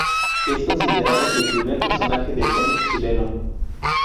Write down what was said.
Es considerado el primer personaje del cómic chileno.